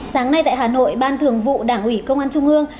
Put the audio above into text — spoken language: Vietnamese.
sáng nay tại hà nội ban thường vụ đảng ủy công an trung ương